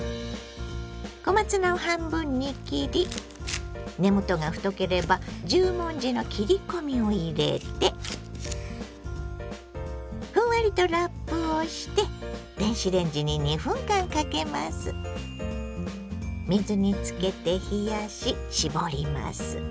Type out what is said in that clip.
小松菜を半分に切り根元が太ければ十文字の切り込みを入れてふんわりとラップをして水につけて冷やし絞ります。